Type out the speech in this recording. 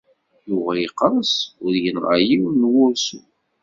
Yuba yeqres u yenɣa yiwen n wursu.